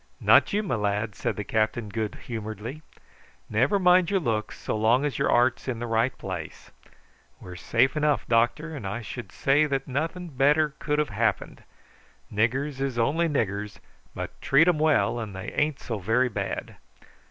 "Not you, my lad," said the captain good humouredly. "Never mind your looks so long as your 'art's in the right place. We're safe enough, doctor, and I should say that nothing better could have happened. Niggers is only niggers; but treat 'em well and they ain't so very bad.